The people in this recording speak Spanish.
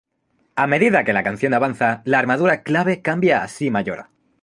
A medida que la canción avanza, la armadura clave cambia a Si mayor.